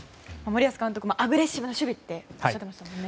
森保監督もアグレッシブな守備とおっしゃってましたもんね。